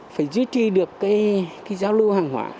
phải giữ trì được cái giao lưu hàng hóa